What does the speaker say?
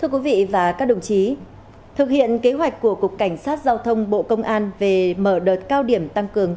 thưa quý vị và các đồng chí thực hiện kế hoạch của cục cảnh sát giao thông bộ công an về mở đợt cao điểm tăng cường